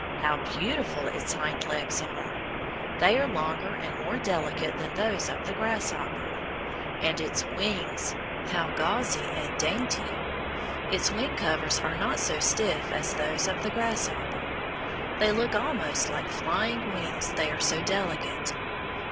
How beautiful its hind legs are! They are longer and more delicate than those of the grasshopper. And its wings, how gauzy and dainty! Its wing covers are not so stiff as those of the grasshopper. They look almost like flying wings, they are so delicate.